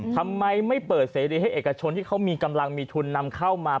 ทำไมไม่เปิดเสรีให้เอกชนที่เขามีกำลังมีทุนนำเข้ามา